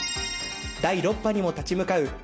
第６波にも立ち向かう